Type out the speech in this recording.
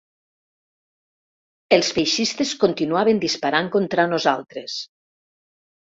Els feixistes continuaven disparant contra nosaltres